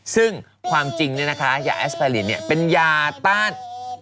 ซึ่งความจริงเนี่ยนะคะยาแอสไพรินเนี่ยเป็นยาต้าน